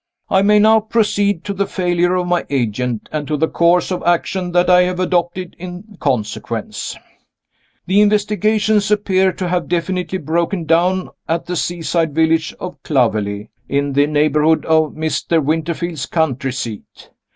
I may now proceed to the failure of my agent, and to the course of action that I have adopted in consequence. The investigations appear to have definitely broken down at the seaside village of Clovelly, in the neighborhood of Mr. Winterfield's country seat.